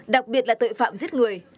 đặc biệt là tội phạm giết người